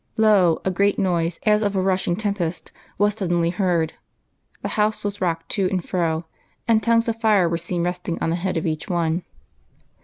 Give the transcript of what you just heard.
Lo! a great noise, as of a rushing tempest, was suddenly heard, the house was rocked to and fro, and tongues of fire were seen resting on the head of each one.